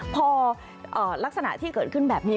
พอลักษณะที่เกิดขึ้นแบบนี้